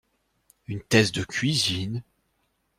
Une thèse de cuisine?